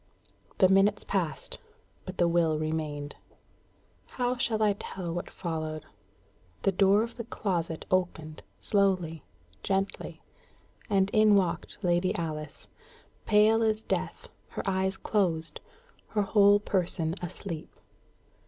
The minutes passed, but the will remained. How shall I tell what followed? The door of the closet opened slowly, gently and in walked Lady Alice, pale as death, her eyes closed, her whole person asleep.